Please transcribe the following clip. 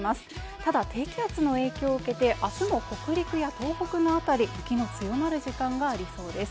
ただ低気圧の影響を受けて明日は北陸などで雪の強まる時間がありそうです。